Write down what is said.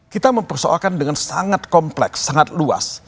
kita mempersoalkan dengan sangat kompleks sangat luas